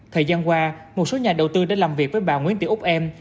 thời gian qua một số nhà đầu tư đã làm việc với bà nguyễn tị úc em